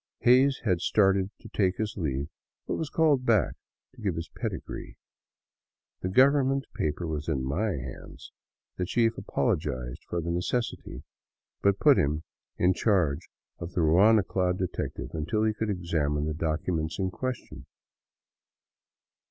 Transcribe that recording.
Hays had started to take his leave, but was called back to give his pedigree. The government paper was in my hands. The chief apologized for the necessity, but put him in charge of the ruana clad detective until he could examine the docu ment in question.